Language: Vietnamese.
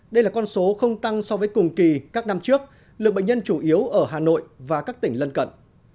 đây là con số không tăng so với cùng kỳ các năm trước lượng bệnh nhân chủ yếu ở hà nội và các tỉnh lân cận